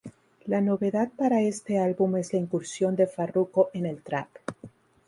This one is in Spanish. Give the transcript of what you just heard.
La novedad para este álbum es la incursión de Farruko en el Trap.